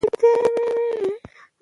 هغه به بیا منډې وهي.